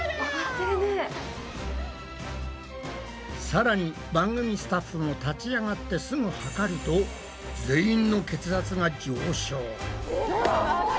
さらに番組スタッフも立ち上がってすぐ測ると全員の血圧が上昇。